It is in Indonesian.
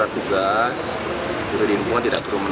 ya dua duanya kita ikuti proses